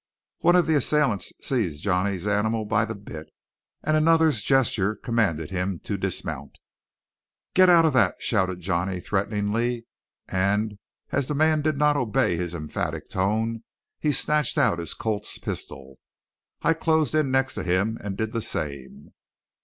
One of the assailants seized Johnny's animal by the bit, and another's gesture commanded him to dismount. "Get out of that!" shouted Johnny threateningly; and as the men did not obey his emphatic tone, he snatched out his Colt's pistol. I closed in next him and did the same.